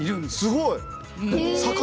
すごい！